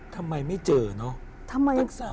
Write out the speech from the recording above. ทำไมไม่เจอเนอะ